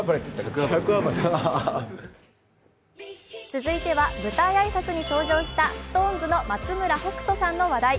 続いては舞台挨拶に登場したＳｉｘＴＯＮＥＳの松村北斗さんの話題。